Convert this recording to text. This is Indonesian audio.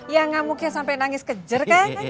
ya ngemuknya sampai nangis kejer